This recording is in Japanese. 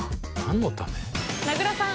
名倉さん